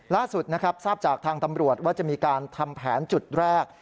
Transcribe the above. ล่าสุดนะครับทราบจากทางตำรวจว่าจะมีการทำแผนจุดแรก